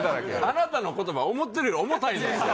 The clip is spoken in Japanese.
あなたの言葉思ってるより重たいですよ